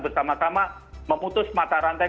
bersama sama memutus mata rantai